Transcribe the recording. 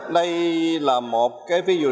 đây là một cái ví dụ đấy